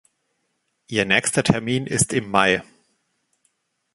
Ihr nächster Termin ist im Mai.